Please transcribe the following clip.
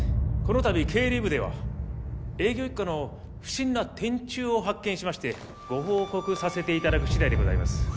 この度経理部では営業一課の不審な転注を発見しましてご報告させていただくしだいでございます